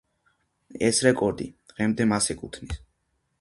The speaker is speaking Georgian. ეს რეკორდი დღემდე მას ეკუთვნის.